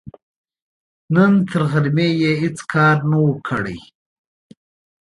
نن تر غرمې يې هيڅ کار نه و، کړی.